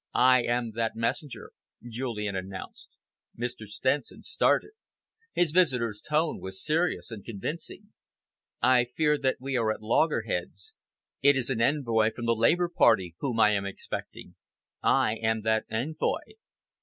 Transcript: "I am that messenger," Julian announced. Mr. Stenson started. His visitor's tone was serious and convincing. "I fear that we are at loggerheads. It is an envoy from the Labour Party whom I am expecting." "I am that envoy."